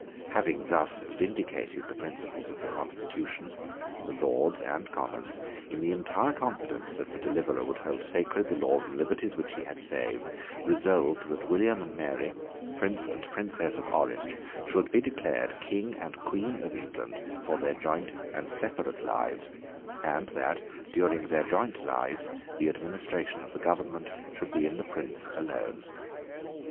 Having thus vindicated the principles of the constitution, the Lords and Commons, in the entire confidence that the deliverer would hold sacred the laws and liberties which he had saved, resolved that William and Mary, Prince and Princess of Orange, should be declared King and Queen of England for their joint and separate lives, and that, during their joint lives, the administration of the government should be in the Prince alone.